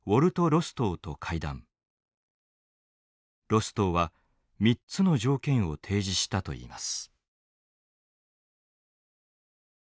ロストウは３つの条件を提示したといいます。